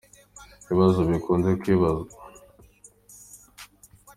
Ibibazo bikunze kwibazwa